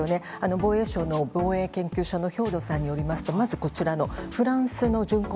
防衛省防衛研究所の兵頭さんによりますとまずこちらのフランスの巡航